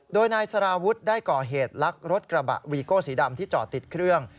โดยนายสารวุฒิได้ก่อเหตุลักรถกระบะวีโก้สีดำที่จอดติดเครื่อง